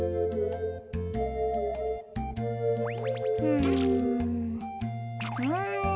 うんうん。